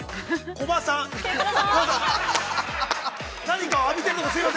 コバさんっ！